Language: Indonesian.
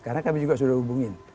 karena kami juga sudah hubungin